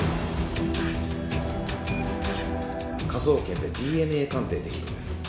「科捜研でＤＮＡ鑑定できるんです」